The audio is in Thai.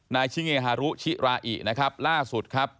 นายชิเงฮารุชิราอินะครับล่าสุดครับ